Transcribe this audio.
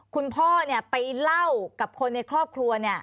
คุณพ่อไปเล่ากับคนในครอบครัว